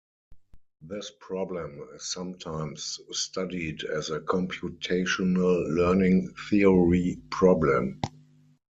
This problem is sometimes studied as a computational learning theory problem.